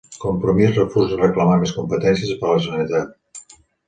Compromís refusa reclamar més competències per a la Generalitat